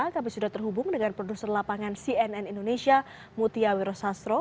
kami sudah terhubung dengan produser lapangan cnn indonesia mutia wiro sastro